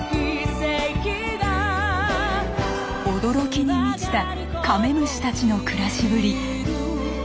驚きに満ちたカメムシたちの暮らしぶり。